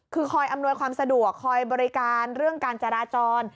คือคอยอำนวยความสะดวกคอยบริการเรื่องการจราจร